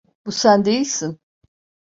Bu sen değilsin.